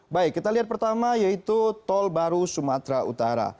baik kita lihat pertama yaitu tol baru sumatera utara